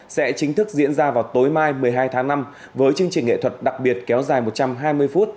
sẽ chính thức diễn ra vào tối mai một mươi hai tháng năm với chương trình nghệ thuật đặc biệt kéo dài một trăm hai mươi phút